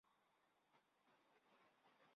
子夏完淳亦为抗清烈士。